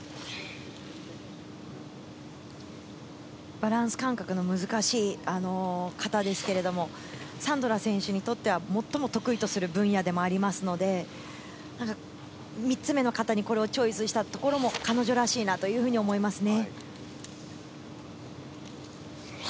バランス感覚の難しい形ですけれども、サンドラ選手にとっては最も得意とする分野でもありますので、３つ目の形にこれをチョイスしたところも彼女らしいなというふうに思いますね。